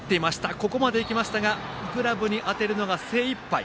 ここまで行きましたがグラブに当てるのが精いっぱい。